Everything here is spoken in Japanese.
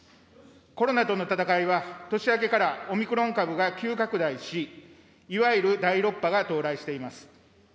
コロナとの闘いは年明けからオミクロン株が急拡大し、いわゆる第６波が到来しています。